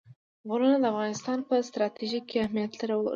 غرونه د افغانستان په ستراتیژیک اهمیت کې رول لري.